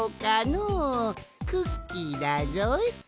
クッキーだぞい。